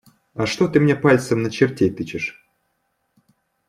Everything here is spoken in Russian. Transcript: А что ты мне пальцем на чертей тычешь?